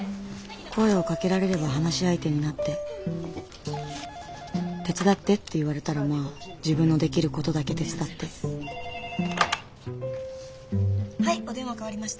声をかけられれば話し相手になって手伝ってって言われたらまあ自分のできることだけ手伝ってはいお電話代わりました。